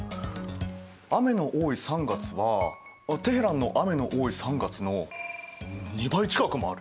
雨の多い３月はテヘランの雨の多い３月の２倍近くもある。